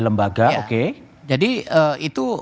lembaga oke jadi itu